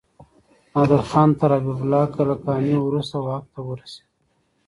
نادر خان تر حبيب الله کلکاني وروسته واک ته ورسيد.